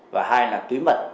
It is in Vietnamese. và hai là túi mật